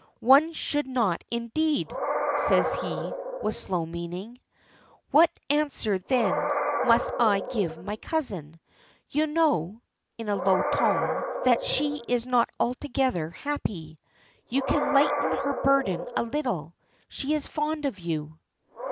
"One should not indeed!" says he, with slow meaning. "What answer, then, must I give my cousin? You know," in a low tone, "that she is not altogether happy. You can lighten her burden a little. She is fond of you."